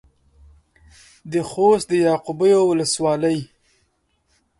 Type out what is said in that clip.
د خوست د يعقوبيو ولسوالۍ.